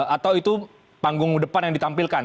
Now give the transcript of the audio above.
atau itu panggung depan yang ditampilkan